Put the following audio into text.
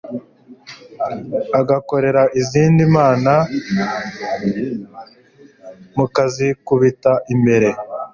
ugakorera izindi mana mukazikubita imbere